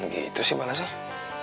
ketemu di sekolah aja